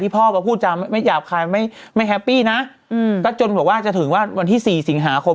นี่ผมดูอย่างได้ไหม